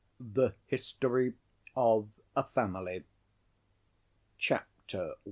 The History Of A Family Chapter I.